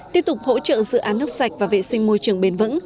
tiếp tục hỗ trợ dự án nước sạch và vệ sinh môi trường bền vững